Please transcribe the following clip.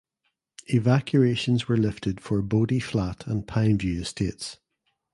Evacuations were lifted for Bodie Flat and Pine View Estates.